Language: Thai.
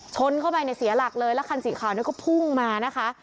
ชนเข้าไปเนี่ยเสียหลักเลยแล้วคันสีขาวเนี่ยก็พุ่งมานะคะ